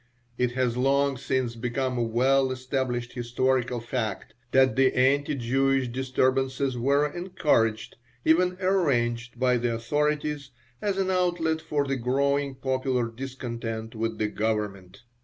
It has long since become a well established historical fact that the anti Jewish disturbances were encouraged, even arranged, by the authorities as an outlet for the growing popular discontent with the Government.